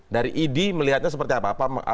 dari idi melihatnya seperti apa